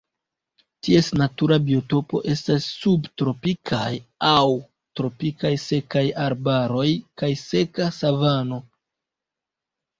Ties natura biotopo estas subtropikaj aŭ tropikaj sekaj arbaroj kaj seka savano.